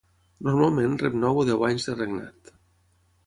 Normalment rep nou o deu anys de regnat.